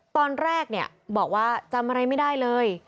ตอนแรกเนี่ยบอกว่าจำอะไรไม่ได้เลย